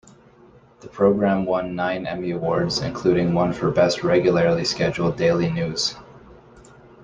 The program won nine Emmy Awards, including one for Best Regularly Scheduled Daily News.